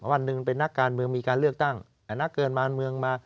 วันหนึ่งเป็นนักการเมืองมีการเลือกตั้งนักเกินมานเมืองมา